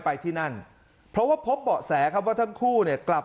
ไปที่นั่นเพราะว่าพบเบาะแสครับว่าทั้งคู่เนี่ยกลับ